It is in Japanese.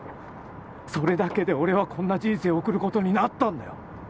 それだけで俺はこんな人生を送ることになったんだよ！